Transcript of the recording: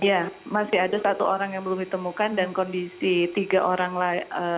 ya masih ada satu orang yang belum ditemukan dan kondisi tiga orang lain